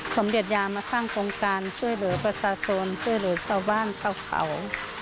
สมเด็จยามาสร้างโครงการช่วยเหลือประชาชนช่วยเหลือชาวบ้านชาวเขา